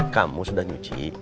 kamu sudah nyuci